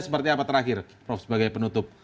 seperti apa terakhir prof sebagai penutup